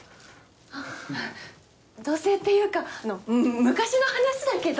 あっ同せいっていうかあのむ昔の話だけど。